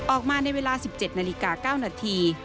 ออกมาในเวลา๑๗นาฬิกา๙นาที